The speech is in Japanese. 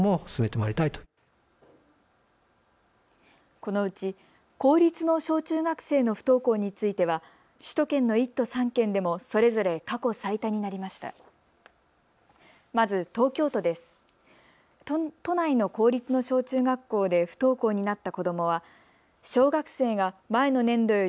このうち公立の小中学生の不登校については首都圏の１都３県でもそれぞれ過去最多になりました。